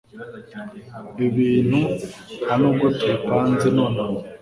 ibi bintu ntanubwo tubipanze nonaha